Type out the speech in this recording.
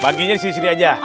baginya di sini sini aja